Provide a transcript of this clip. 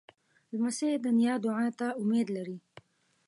لمسی د نیا دعا ته امید لري.